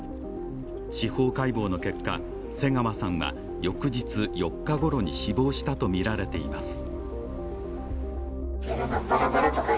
司法解剖の結果、瀬川さんは翌日４日ごろに死亡したとみられています。